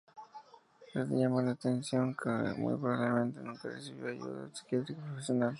Es de llamar la atención que muy probablemente nunca recibió ayuda psiquiátrica profesional.